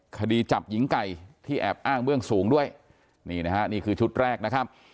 คดีจับหญิงไก่ที่แอบอ้างเบื้องสูงด้วยนี่นะฮะนี่คือชุดแรกนะครับ